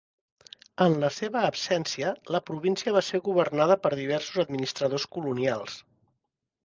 En la seva absència, la província va ser governada per diversos administradors colonials.